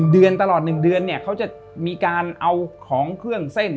เดือนตลอด๑เดือนเนี่ยเขาจะมีการเอาของเครื่องเส้น